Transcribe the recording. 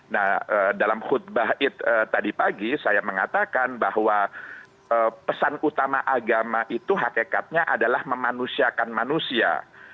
nah dalam khutbah it tadi pagi saya mengatakan bahwa pesan utama agama itu hakikatnya adalah memanusiakan manusia